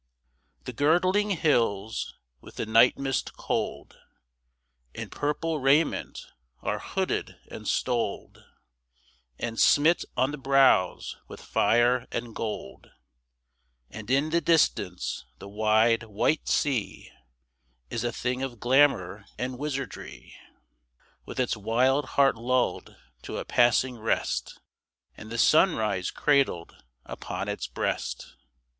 The girdling hills with the night mist cold In purple raiment are hooded and stoled And smit on the brows with fire and gold; And in the distance the wide, white sea Is a thing of glamor and wizardry, With its wild heart lulled to a passing rest, And the sunrise cradled upon its breast.